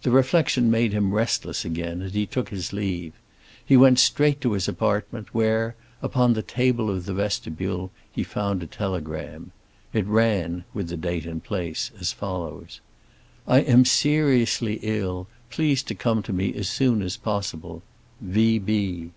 The reflection made him restless again, and he took his leave. He went straight to his apartment, where, upon the table of the vestibule, he found a telegram. It ran (with the date and place) as follows: "I am seriously ill; please to come to me as soon as possible. V.